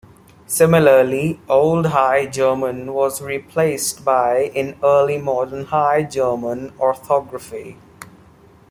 Similarly, Old High German was replaced by in Early Modern High German orthography.